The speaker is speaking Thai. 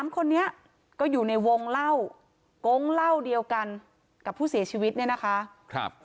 ๓คนนี้ก็อยู่ในวงเล่าโก๊งเหล้าเดียวกันกับผู้เสียชีวิตเนี่ยนะคะ